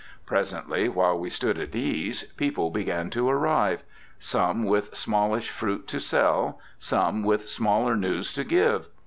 Presently, while we stood at ease, people began to arrive, some with smallish fruit to sell, some with smaller news to give.